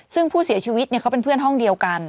ซึ่งผู้เสียชีวิตเขาเป็นเพื่อนห้องเดียวกัน